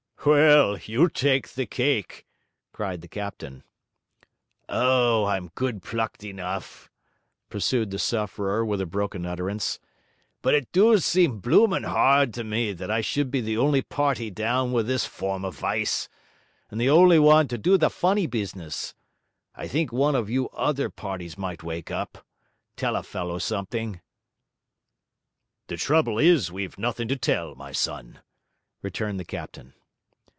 'Well, you take the cake!' cried the captain. 'O, I'm good plucked enough,' pursued the sufferer with a broken utterance. 'But it do seem bloomin' hard to me, that I should be the only party down with this form of vice, and the only one to do the funny business. I think one of you other parties might wake up. Tell a fellow something.' 'The trouble is we've nothing to tell, my son,' returned the captain.